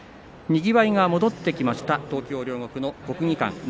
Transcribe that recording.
にぎわいが戻ってきました東京・両国の国技館です。